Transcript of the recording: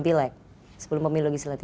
pilek sebelum pemilu legislatif